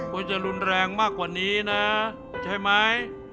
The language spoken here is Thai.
ว่าจะรุนแรงมากกว่านี้นะใช่ไหม